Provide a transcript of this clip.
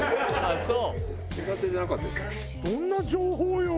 どんな情報よ？